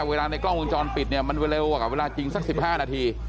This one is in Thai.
เวลาในกล้องมุมจรปิดเนี่ยมันเร็วกว่าเวลาจริงสักสิบห้านาที